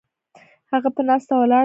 هغه پۀ ناسته ولاړه ملا